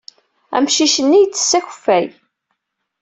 Amcic-nni yettess akeffay.